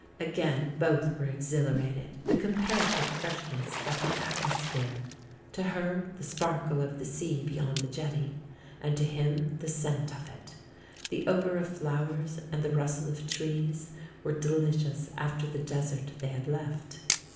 Again both were exhilarated. The com parative freshness of the atmosphere; to her, the sparkle of the sea beyond the jetty; and to him, the scent of it; the odour of flowers, and the rustle of trees, were delicious after the desert that they had left.